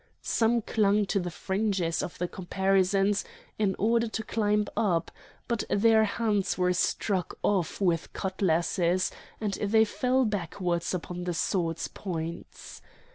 Some clung to the fringes of the caparisons in order to climb up, but their hands were struck off with cutlasses and they fell backwards upon the swords' points.